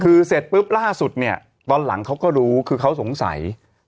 คือเสร็จปุ๊บล่าสุดเนี่ยตอนหลังเขาก็รู้คือเขาสงสัย